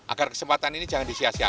agar kesempatan ini jangan disiasikan